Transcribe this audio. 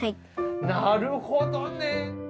なるほどねぇ。